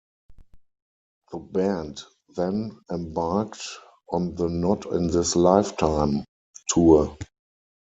The band then embarked on the Not in This Lifetime... Tour.